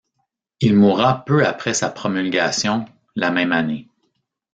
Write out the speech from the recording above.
Il mourra peu après sa promulgation, la même année.